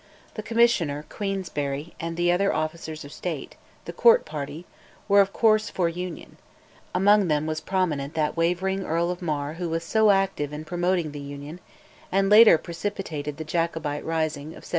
The Commissioner, Queensberry, and the other officers of State, "the Court party," were of course for Union; among them was prominent that wavering Earl of Mar who was so active in promoting the Union, and later precipitated the Jacobite rising of 1715.